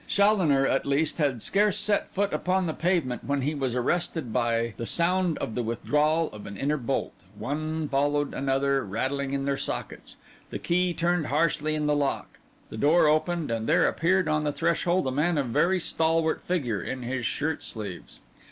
Challoner, at least, had scarce set foot upon the pavement when he was arrested by the sound of the withdrawal of an inner bolt; one followed another, rattling in their sockets; the key turned harshly in the lock; the door opened; and there appeared upon the threshold a man of a very stalwart figure in his shirt sleeves.